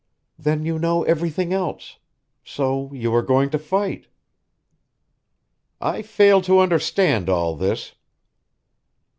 Then you know everything else. So you are going to fight." "I fail to understand all this."